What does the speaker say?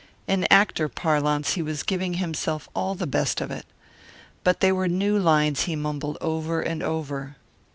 In actor parlance he was giving himself all the best of it. But they were new lines he mumbled over and over.